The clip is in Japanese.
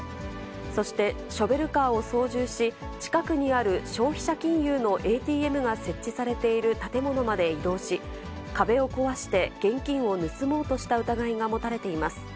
そしてショベルカーを操縦し、近くにある消費者金融のＡＴＭが設置されている建物まで移動し、壁を壊して現金を盗もうとした疑いが持たれています。